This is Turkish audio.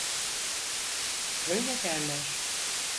Öyle derler.